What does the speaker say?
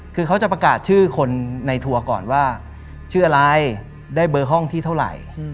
คือเขาจะประกาศชื่อคนในทัวร์ก่อนว่าชื่ออะไรได้เบอร์ห้องที่เท่าไหร่